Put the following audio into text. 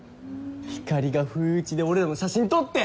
ひかりが不意打ちで俺らの写真撮って！